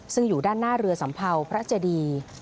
ซึ่งอยู่ด้านหน้าเรือสัมเภาพระเจดี